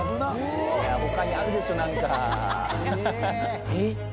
他にあるでしょ何か。